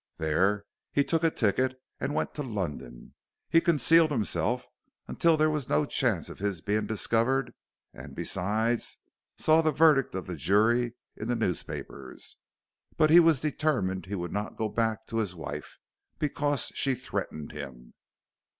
There he took a ticket and went to London. He concealed himself until there was no chance of his being discovered, and besides, saw the verdict of the jury in the newspapers. But he was determined he would not go back to his wife, because she threatened him."